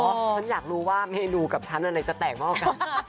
ฉันอยากรู้ว่าเมนูกับฉันอะไรจะแตกมากกว่ากัน